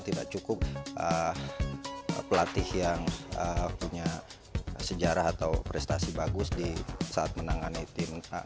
tidak cukup pelatih yang punya sejarah atau prestasi bagus di saat menangani tim